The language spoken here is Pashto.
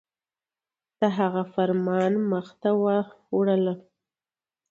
د هغه په فرمان مخ ته وړله